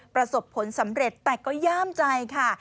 ประสบผลสำเร็จแต่ก็ย่ามใจค่ะ